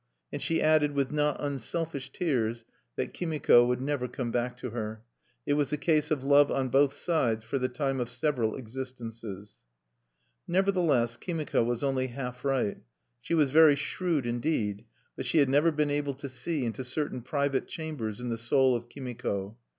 And she added, with not unselfish tears, that Kimiko would never come back to her: it was a case of love on both sides for the time of several existences. Nevertheless, Kimika was only half right. She was very shrewd indeed; but she had never been able to see into certain private chambers in the soul of Kimiko.